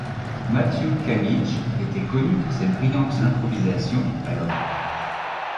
Matthew Camidge était connu pour ses brillantes improvisations à l'orgue.